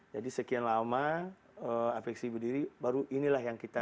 jadi sekian lama apeksi berdiri baru inilah yang kita